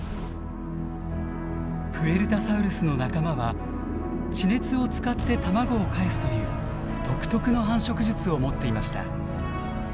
プエルタサウルスの仲間は地熱を使って卵をかえすという独特の繁殖術を持っていました。